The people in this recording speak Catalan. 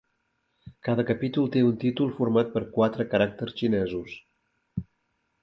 Cada capítol té un títol format per quatre caràcters xinesos.